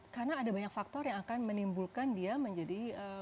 karena ada banyak faktor yang akan menimbulkan dia menjadi